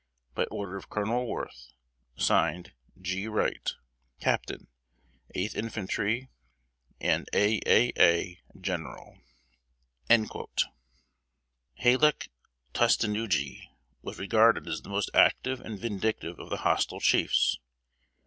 "By order of Colonel WORTH: (Signed) G. WRIGHT, Capt. 8th Infantry, and A. A. A. General." Halec Tustenuggee was regarded as the most active and vindictive of the hostile chiefs.